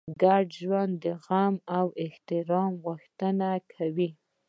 ګډ ژوند د زغم او احترام غوښتنه کوي.